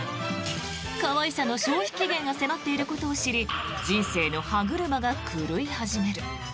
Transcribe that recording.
可愛さの消費期限が迫っていることを知り人生の歯車が狂い始める。